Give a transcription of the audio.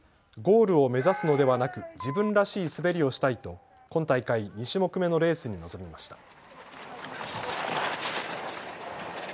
ゴールを目指すのではなく自分らしい滑りをしたいと今大会２種目目のレースに臨みました。